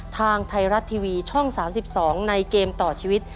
ทางไทยรัฐทีวีช่อง๓๒ในเกมต่อชีวิต